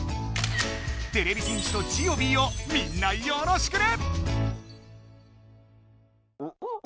てれび戦士とジオビーをみんなよろしくね！